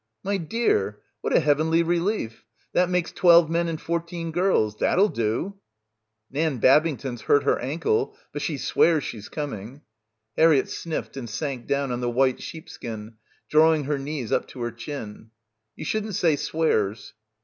"My dear! What a heavenly relief. That makes twelve men and fourteen girls. That'll do." "Nan Babington's hurt her ankle, but she swears she's coming." Harriett sniffed and sank down on the white sheepskin, drawing her knees up to her chin. "You shouldn't say 'swears.'